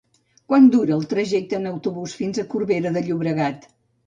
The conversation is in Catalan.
Quant dura el trajecte en autobús fins a Corbera de Llobregat?